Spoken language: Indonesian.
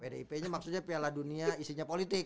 pdip maksudnya piala dunia isinya politik